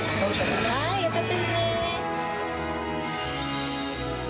はいよかったですね。